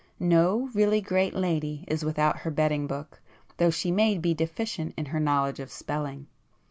No really great lady is without her betting book, though she may be deficient in her knowledge of spelling.